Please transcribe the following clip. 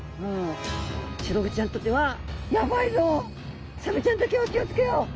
シログチちゃんにとっては「やばいぞ。サメちゃんだけは気を付けよう」。